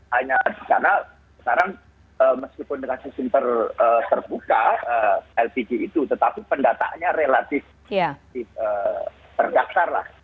hanya karena sekarang meskipun dengan sistem terbuka lpg itu tetapi pendataannya relatif terdaftar lah